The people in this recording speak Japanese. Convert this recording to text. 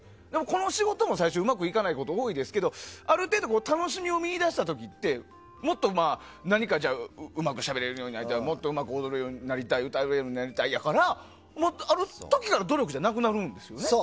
この仕事も最初うまくいかないことが多いですけど、ある程度楽しみを見いだした時ってもっと何かうまくしゃべれるようになりたいもっとうまく踊れるように歌えるようになりたいからある時から努力じゃなくなるんですよね。